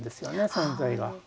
存在が。